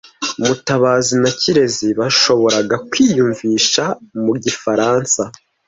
Mutabazi na Kirezi bashoboraga kwiyumvisha mu gifaransa.